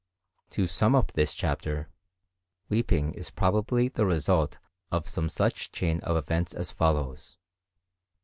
To sum up this chapter, weeping is probably the result of some such chain of events as follows.